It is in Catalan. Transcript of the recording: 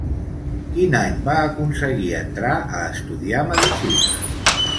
Quin any va aconseguir entrar a estudiar medicina?